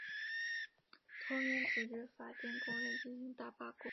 同年组织法电工人进行大罢工。